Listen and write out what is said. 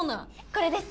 これです。